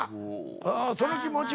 おおその気持ち。